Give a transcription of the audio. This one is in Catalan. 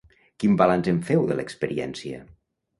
Quin balanç en féu, de l’experiència?